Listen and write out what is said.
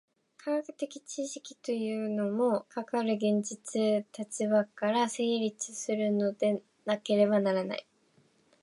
科学的知識というのも、かかる現実の立場から成立するのでなければならない。